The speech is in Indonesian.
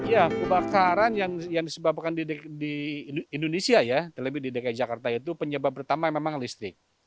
ya kebakaran yang disebabkan di indonesia ya terlebih di dki jakarta itu penyebab pertama memang listrik